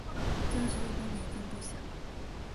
郑氏入宫年份不详。